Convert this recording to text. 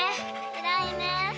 偉いね。